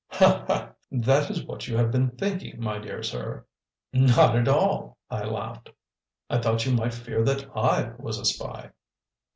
Ha, ha! That is what you have been thinking, my dear sir!" "Not at all," I laughed; "I thought you might fear that I was a spy."